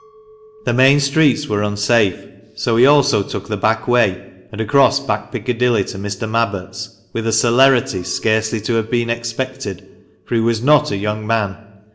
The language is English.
The main streets were unsafe, so he also took the back way, and across Back Piccadilly to Mr. Mabbott's, with a celerity scarcely to have been expected, for he was not a young man.